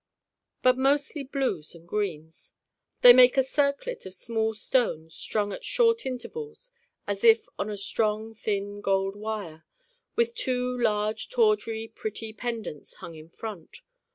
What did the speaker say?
But mostly blues and greens. They make a circlet of small stones strung at short intervals as if on a strong thin gold wire, with two large tawdry pretty pendants hung in front.